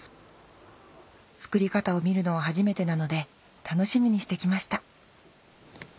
作り方を見るのは初めてなので楽しみにしてきました